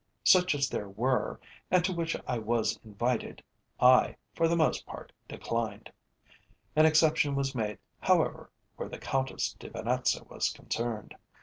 Such as there were, and to which I was invited, I, for the most part, declined. An exception was made, however, where the Countess de Venetza was concerned.